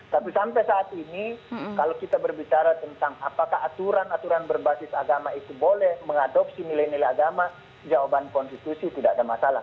tapi sampai saat ini kalau kita berbicara tentang apakah aturan aturan berbasis agama itu boleh mengadopsi nilai nilai agama jawaban konstitusi tidak ada masalah